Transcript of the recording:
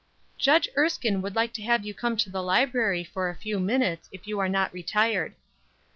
"Judge Erskine would like to have you come to the library for a few minutes, if you have not retired."